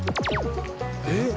えっ？